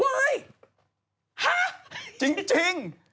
เว้ยฮะจริง